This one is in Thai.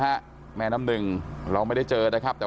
ความปลอดภัยของนายอภิรักษ์และครอบครัวด้วยซ้ำ